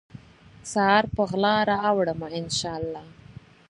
سحر په غلا راوړمه ، ان شا الله